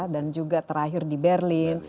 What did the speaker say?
dan juga terakhir di berlin